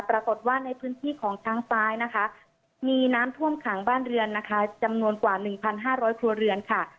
ปรากฏว่าในพื้นที่ของช้างซ้ายนะคะมีน้ำท่วมขังบ้านเรือนนะคะจำนวนกว่า๑๕๐๐ครัวเรือนค่ะ